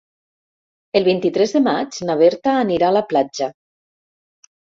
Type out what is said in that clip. El vint-i-tres de maig na Berta anirà a la platja.